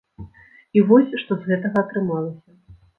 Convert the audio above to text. І вось, што з гэтага атрымалася.